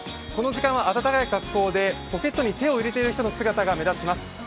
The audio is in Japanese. この時間は暖かい格好でポケットに手を入れている人が目立ちます。